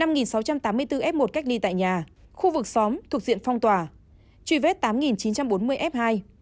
một sáu trăm tám mươi bốn f một cách ly tại nhà khu vực xóm thuộc diện phong tỏa truy vết tám chín trăm bốn mươi f hai